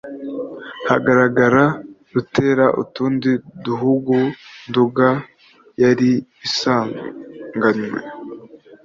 hagaragara, rutera utundi duhugu. nduga yari isanganywe